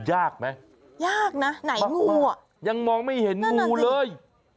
ยากนะไหนงูอย่างมองไม่เห็นงูเลย